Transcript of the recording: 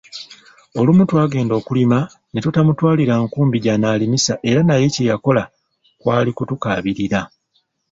Olumu twagenda okulima ne tutamutwalira nkumbi gyanaalimisa eranaye kye yakola kwali kutukaabirira.